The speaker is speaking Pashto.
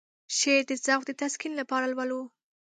شعر د ذوق د تسکين لپاره لولو.